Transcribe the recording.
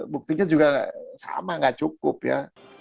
buktinya juga sama nggak cukup ya